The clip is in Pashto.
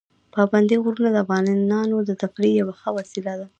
پابندي غرونه د افغانانو د تفریح یوه ښه وسیله ده.